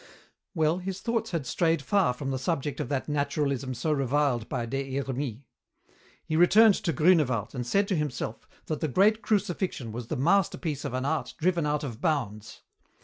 Well, his thoughts had strayed far from the subject of that naturalism so reviled by Des Hermies. He returned to Grünewald and said to himself that the great Crucifixion was the masterpiece of an art driven out of bounds.